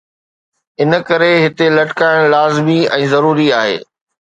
ان ڪري هتي لٽڪائڻ لازمي ۽ ضروري آهي.